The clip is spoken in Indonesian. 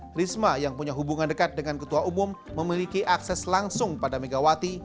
trisma yang punya hubungan dekat dengan ketua umum memiliki akses langsung pada megawati